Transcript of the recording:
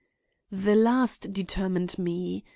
"The last determined me.